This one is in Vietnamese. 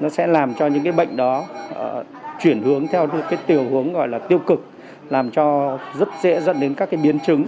nó sẽ làm cho những cái bệnh đó chuyển hướng theo cái chiều hướng gọi là tiêu cực làm cho rất dễ dẫn đến các cái biến chứng